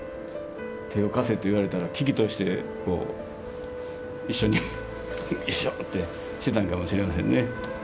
手を貸せと言われたら嬉々として一緒に「よいしょ」ってしてたんかもしれませんね。